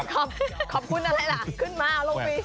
ขอบคุณอะไรล่ะขึ้นมาลงปี